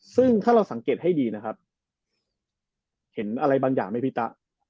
ซึ่งถ้าเราสังเกตให้ดีนะครับเห็นอะไรบางอย่างไหมพี่ตะ